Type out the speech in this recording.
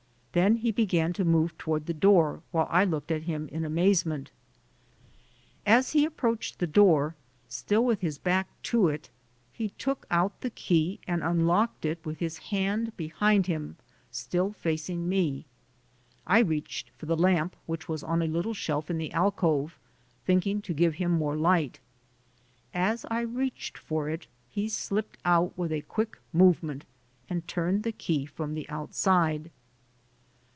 Then he began to move toward the door, while I looked at him in amazement. As he approached the door, still with his back to it, he took out the key and unlocked it with his hand behind him, still facing me. I reached for the lamp, which was on a little shelf in the alcove, thinking to give him more light. As I reached for it, he slipped out with a quick movement and turned the key from the outside.